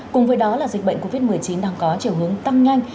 cùng với đó là dịch bệnh covid một mươi chín đang có chiều hướng tăng nhanh